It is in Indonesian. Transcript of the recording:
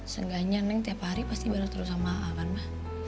seenggaknya neng tiap hari pasti bareng terus sama kan mah